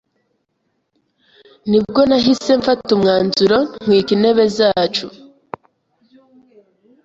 Nibwo nahise mpfata umwanzuro ntwika intebe z’iwacu